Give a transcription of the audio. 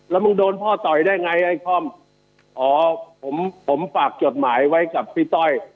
แล้วมึงโดนพ่อต่อยได้ไงไอ้คอมอ๋อผมผมฝากจดหมายไว้กับพี่ต้อย